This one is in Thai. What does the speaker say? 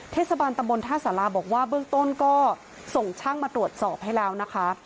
เทศบาลตำบลท่าสาราบอกว่าเบื้องต้นก็ส่งช่างมาตรวจสอบให้แล้วนะคะ